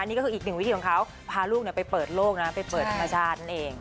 นี่ก็คืออีกหนึ่งวิธีของเขาพาลูกไปเปิดโลกนะไปเปิดธรรมชาตินั่นเอง